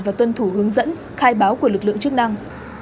và tuân thủ hướng dẫn khai báo của lực lượng chức năng